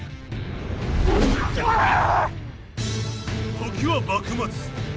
時は幕末。